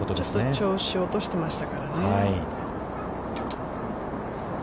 ちょっと調子を落としてましたからね。